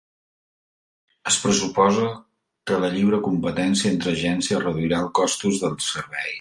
Es pressuposa que la lliure competència entre agències reduirà els costos del servei.